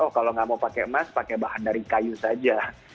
kalau nggak mau pakai emas pakai bahan dari kayu saja